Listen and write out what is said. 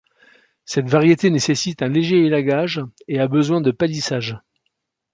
Cette variété nécessite un léger élagage et a besoin de palissage.